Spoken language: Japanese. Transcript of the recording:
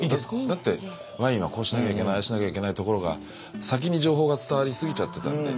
だってワインはこうしなきゃいけないああしなきゃいけないところが先に情報が伝わりすぎちゃってたんで。